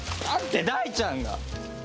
だってだいちゃんが。